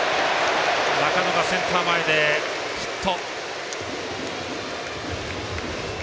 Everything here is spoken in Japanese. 中野がセンター前ヒット。